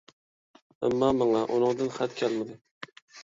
ئەمما، ماڭا ئۇنىڭدىن خەت كەلمىدى.